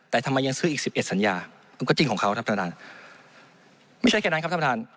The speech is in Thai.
แต่ทำไมยังซื้ออีกสิบเอ็ดสัญญาก็จริงของเขาไม่ใช่แค่นั้น